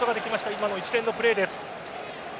今の一連のプレーです。